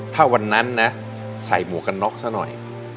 ถ้าวันนั้นนะใส่หมวกกันน็อกซะหน่อย